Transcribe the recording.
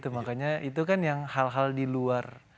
makanya itu kan yang hal hal diluar